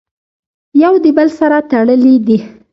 يو د بل سره تړلي دي!!.